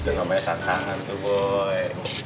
jangan banyak tantangan tuh boy